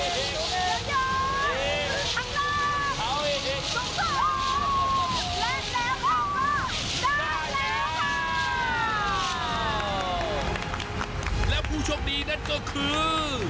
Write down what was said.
และผู้โชคดีนั่นก็คือ